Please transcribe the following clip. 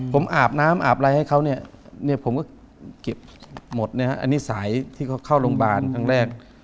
ผมอาบน้ำอาบอะไรให้เขาเนี่ยผมก็เก็บหมดนะฮะอันนี้สายที่เขาเข้าโรงพยาบาลครั้งแรก